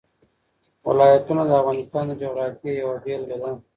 ولایتونه د افغانستان د جغرافیې یوه بېلګه ده.